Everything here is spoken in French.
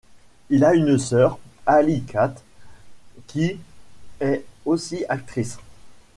Il a une sœur, Hallie Kate, qui est aussi actrice.